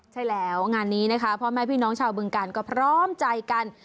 ใช่แล้วงานนี้นะคะพ่อแม่พี่น้องชาวบึงการก็พร้อมใจกัน